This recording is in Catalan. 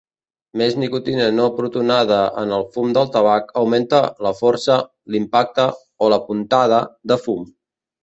Més nicotina no protonada en el fum del tabac augmenta la "força", l'"impacte" o la "puntada" de fum.